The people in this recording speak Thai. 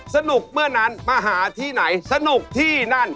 สนุกเมื่อนั้นมาหาที่ไหนสนุกที่นั่น